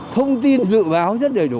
thông tin dự báo rất đầy đủ